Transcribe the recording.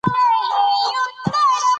پسرلی د افغانانو د معیشت سرچینه ده.